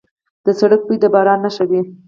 د سړک بوی د باران نښه وه.